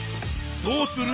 どうする？